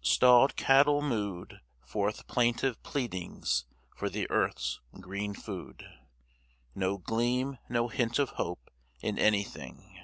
Stalled cattle mooed Forth plaintive pleadings for the earth's green food. No gleam, no hint of hope in anything.